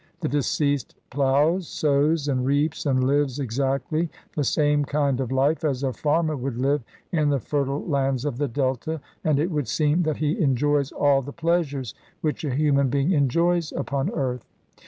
The deceased ploughs, sows, and reaps, and lives exactly the same kind of life as a farmer would live in the fertile lands of the Delta, and it would seem that he enjoys all the pleasures which a human being enjoys upon earth.